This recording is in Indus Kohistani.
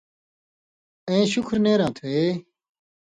اېں شُکھُر نېراں تھو یی؟